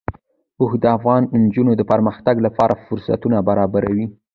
اوښ د افغان نجونو د پرمختګ لپاره فرصتونه برابروي.